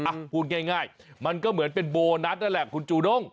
พูดง่ายมันก็เหมือนเป็นโบนัสนั่นแหละคุณจูด้ง